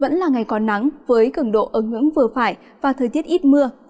vẫn là ngày còn nắng với cứng độ ứng ứng vừa phải và thời tiết ít mưa